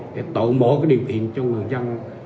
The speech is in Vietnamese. để tổ mộ điều khiển cho người dân